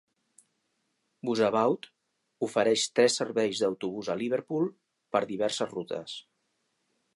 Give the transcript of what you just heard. Busabout ofereix tres serveis d'autobús a Liverpool per diverses rutes.